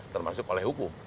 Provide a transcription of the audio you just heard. termasuk oleh hukum